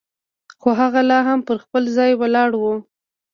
خو هغه لا هم پر خپل ځای ولاړه وه.